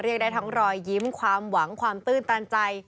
ได้ทั้งรอยยิ้มความหวังความตื้นตันใจ